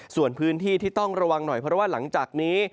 ส่วนพื้นที่ที่ต้องระวังหน่อยเพราะว่าหลังจากนี้